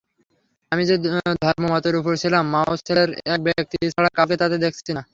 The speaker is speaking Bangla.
আমি যে ধর্ম মতের উপর ছিলাম মাওসেলের এক ব্যক্তি ছাড়া কাউকে তাতে দেখছি না।